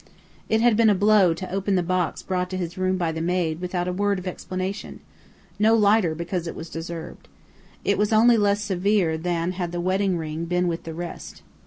It had been a blow to open the box brought to his room by the maid without a word of explanation no lighter because it was deserved. It was only less severe than had the wedding ring been with the rest.